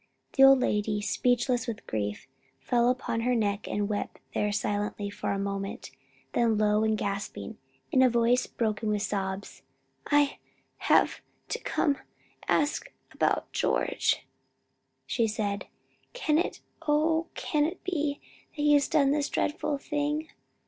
The old lady, speechless with grief, fell upon her neck and wept there silently for a moment; then low and gaspingly, in a voice broken with sobs, "I have come to ask about George," she said, "can it, oh can it be that he has done this dreadful thing?"